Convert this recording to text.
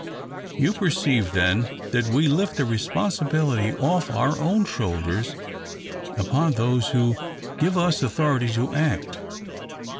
You perceive, then, that we lift the responsibility off our own shoulders upon those who give us authority to act.